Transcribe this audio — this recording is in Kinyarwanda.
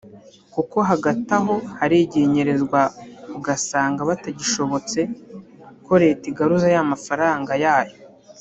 kuko hagati aho hari igihe inyerezwa ugasanga bitagishobotse ko leta igaruza ya mafaranga yayo